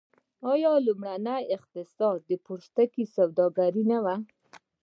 آیا لومړنی اقتصاد د پوستکي په سوداګرۍ نه و؟